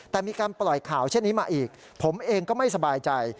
แต่มีการปล่อยข่าวเช่นนี้มาอีกผมเองก็ไม่สบายใจ